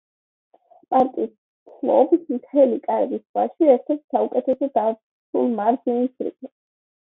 პარკი ფლობს მთელს კარიბის ზღვაში ერთ-ერთ საუკეთესოდ დაცულ მარჯნის რიფებს.